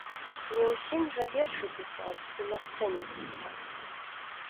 Не ўсім жа вершы пісаць і на сцэне выступаць.